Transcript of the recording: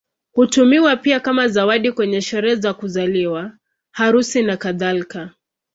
Hutumiwa pia kama zawadi kwenye sherehe za kuzaliwa, harusi, nakadhalika.